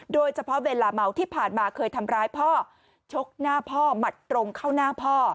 เวลาเมาที่ผ่านมาเคยทำร้ายพ่อชกหน้าพ่อหมัดตรงเข้าหน้าพ่อ